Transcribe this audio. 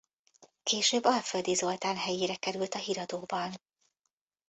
Később Alföldi Zoltán helyére került a Híradóban.